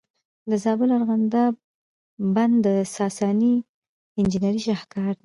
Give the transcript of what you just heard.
د زابل ارغنداب بند د ساساني انجینرۍ شاهکار دی